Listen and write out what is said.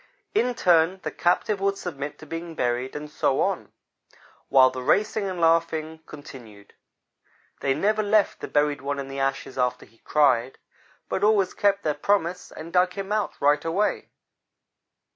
In turn the captive would submit to being buried, and so on while the racing and laughing continued. They never left the buried one in the ashes after he cried, but always kept their promise and dug him out, right away.